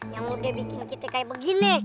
yang udah bikin kita kayak begini